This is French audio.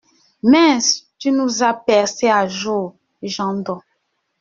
Mince, tu nous as percé à jour Jañ-Do !